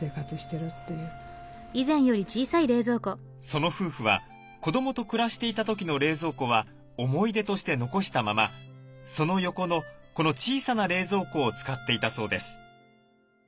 その夫婦は子どもと暮らしていた時の冷蔵庫は思い出として残したままその横のこの小さな冷蔵庫を使っていたそうです。